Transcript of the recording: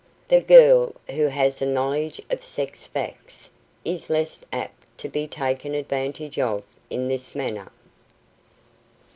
_The girl who has a knowledge of sex facts is less apt to be taken advantage of in this manner.